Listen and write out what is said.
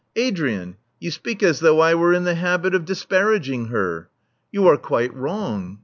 Adrian: you speak as though I were in the habit of disparaging^ her. You are quite wrong.